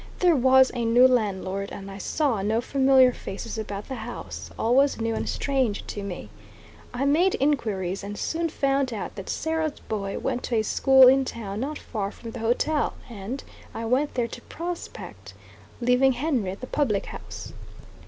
There was a new landlord, and I saw no familiar faces about the house; all was new and strange to me. I made inquiries, and soon found out that Sarah's boy went to a school in town not far from the hotel, and I went there to "prospect," leaving Henry at the public house.